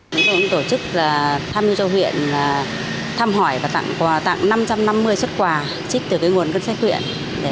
chúng tôi cũng tổ chức thăm nhu châu huyện thăm hỏi và tặng năm trăm năm mươi xuất quà trích từ nguồn cơ sách huyện